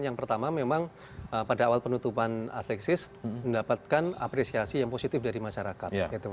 yang pertama memang pada awal penutupan alexis mendapatkan apresiasi yang positif dari masyarakat